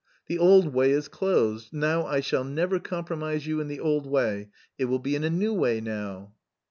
The old way is closed; now I shall never compromise you in the old way, it will be in a new way now."